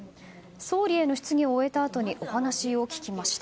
総理への質疑を終えたあとにお話を聞きました。